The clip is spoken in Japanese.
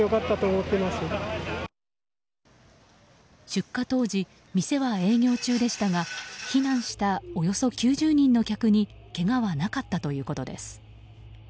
出火当時、店は営業中でしたが避難したおよそ９０人の客にけがはなかったということです。